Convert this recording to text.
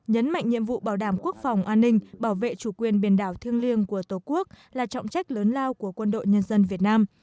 nhấn mạnh nhiệm vụ bảo đảm quốc phòng an ninh bảo vệ chủ quyền biển đảo thiêng liêng của tổ quốc là trọng trách lớn lao của quân đội nhân dân việt nam